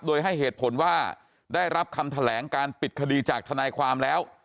โดยให้เหตุผลว่าได้รับคำแถลงการปิดคดีจากทนายความแล้ว